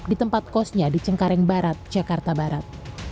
di tempat kosnya di cengkareng barat jakarta barat